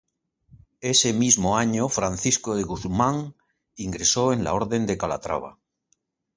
Ese mismo año, Francisco de Guzmán ingresó en la Orden de Calatrava.